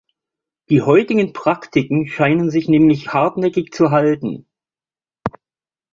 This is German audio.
Die heutigen Praktiken scheinen sich nämlich hartnäckig zu halten.